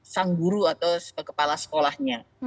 sang guru atau kepala sekolahnya